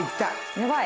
やばい。